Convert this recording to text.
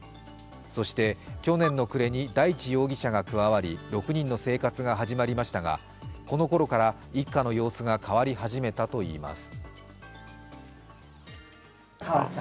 そして去年の暮れに大地容疑者が加わり６人の生活が始まりましたがこのころから一家の様子が変わり始めたといいます。